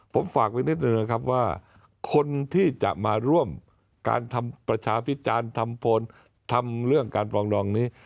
ผมฝากไว้นิดหนึ่งนะครับว่าคนที่จะมาร่วมการทำประชาพิจารณ์ทำพลทำเรื่องการปรองดองนี้